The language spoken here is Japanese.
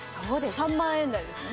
３万円台ですもんね